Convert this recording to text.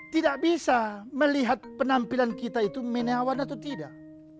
tidak bisa melihat penampilan kita itu menawan atau tidak